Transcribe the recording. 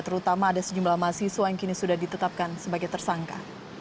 terutama ada sejumlah mahasiswa yang kini sudah ditetapkan sebagai tersangka